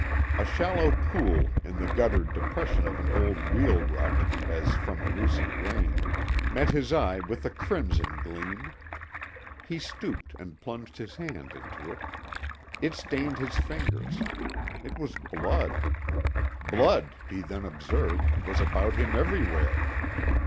A shallow pool in the guttered depression of an old wheel rut, as from a recent rain, met his eye with a crimson gleam. He stooped and plunged his hand into it. It stained his fingers; it was blood! Blood, he then observed, was about him everywhere.